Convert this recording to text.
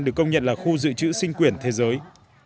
được công nhận là khu dự trữ sinh quyển thế giới